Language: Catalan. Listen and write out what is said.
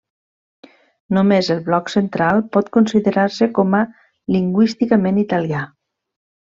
Només el bloc central pot considerar-se com a lingüísticament italià.